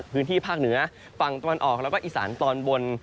พื้นที่ภาคเหนือฝั่งตะวันออกแล้วก็อีสานตอนบน